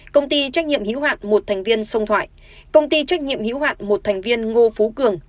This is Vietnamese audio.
công ty trách nhiệm hữu hoạn một thành viên sông thoại công ty trách nhiệm hữu hạn một thành viên ngô phú cường